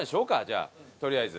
じゃあとりあえず。